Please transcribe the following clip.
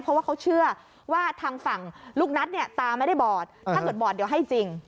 เพราะว่าเขาเชื่อว่าทางฝั่งลูกนัทเนี่ยตาไม่ได้บอดถ้าเกิดบอดเดี๋ยวให้จริง